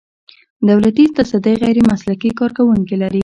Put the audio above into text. دولتي تصدۍ غیر مسلکي کارکوونکي لري.